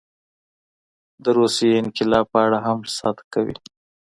د روسیې انقلاب په اړه هم صدق کوي.